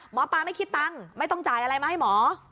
หมอปลาไม่คิดตังค์ไม่ต้องจ่ายอะไรมาให้หมอ